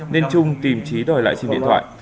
nên trung tìm trí đòi lại sim điện thoại